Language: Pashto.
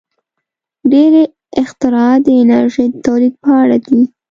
• ډېری اختراعات د انرژۍ د تولید په اړه دي.